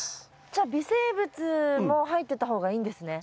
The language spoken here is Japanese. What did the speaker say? じゃ微生物も入ってた方がいいんですね。